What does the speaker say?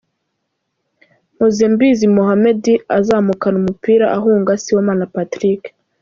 Mpozembizi Mohammed azamukana umupira ahunga Sibomana Patrick.